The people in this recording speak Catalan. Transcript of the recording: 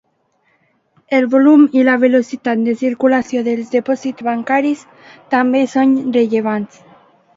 El volum i la velocitat de circulació dels dipòsits bancaris també són rellevants.